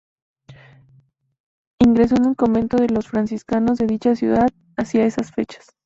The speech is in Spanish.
Ingresó en el convento de los franciscanos de dicha ciudad hacia esas fechas.